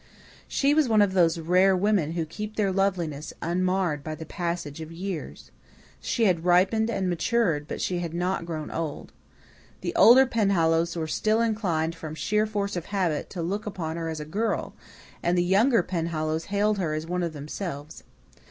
She was one of those rare women who keep their loveliness unmarred by the passage of years. She had ripened and matured, but she had not grown old. The older Penhallows were still inclined, from sheer force of habit, to look upon her as a girl, and the younger Penhallows hailed her as one of themselves.